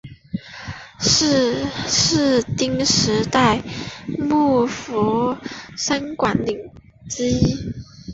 是室町时代幕府三管领之一。